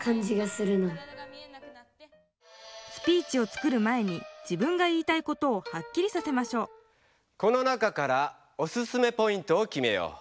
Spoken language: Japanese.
スピーチを作る前に自分が言いたいことをはっきりさせましょうこの中からオススメポイントをきめよう。